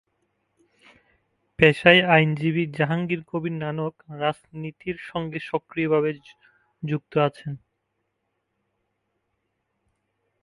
পেশার আইনজীবী জাহাঙ্গীর কবির নানক রাজনীতির সঙ্গে সক্রিয় ভাবে যুক্ত আছেন।